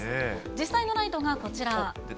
実際のライトがこちら。